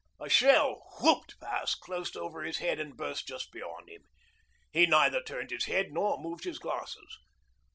A shell 'whooped' past close over his head, and burst just beyond him. He neither turned his head nor moved his glasses.